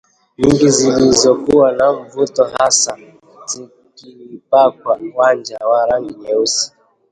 nyingi zilizokuwa na mvuto hasa zikipakwa wanja wa rangi nyeusi